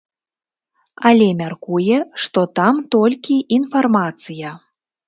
Але мяркуе, што там толькі інфармацыя.